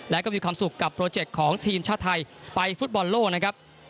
และก็มีความสุขกับโปรเจคของทีมชาติไทยไปฟุตบอลโลกนะครับ